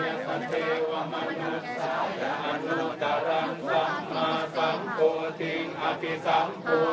มีผู้ที่ได้รับบาดเจ็บและถูกนำตัวส่งโรงพยาบาลเป็นผู้หญิงวัยกลางคน